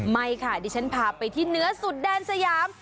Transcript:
ไม่ค่ะดิฉันพาไปที่เนื้อสุดแดนสยาม